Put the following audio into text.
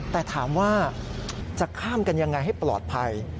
แต่ถามว่าจะข้ามกันยังไงให้ปลอดภัย